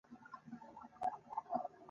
په ځنډ سره به کامیابي ترلاسه کړئ.